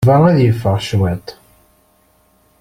Yuba ad yeffeɣ cwiṭ.